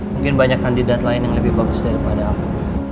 mungkin banyak kandidat lain yang lebih bagus daripada apa